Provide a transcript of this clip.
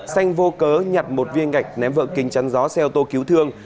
xanh vô cớ nhặt một viên ngạch ném vợ kinh chắn gió xe ô tô cứu thương